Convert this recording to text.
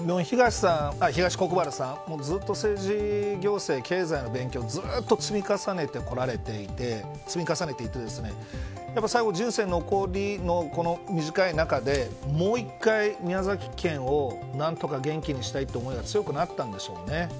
東国原さん、ずっと政治行政経済の勉強をずっと積み重ねていて最後、人生残りの短い中でもう１回、宮崎県を元気にしたいという思いが強くなったんでしょうね。